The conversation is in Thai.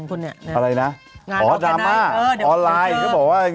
ก็จะบอกว่าป๊อกมาก